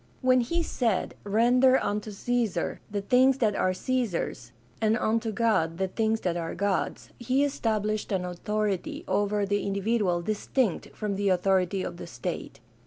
When he said, "Render unto Caesar the things that are Caesar's, and unto God the things that are God's," he established an authority over the individual distinct from the authority of the state.